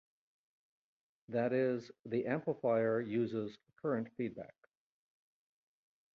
That is, the amplifier uses current feedback.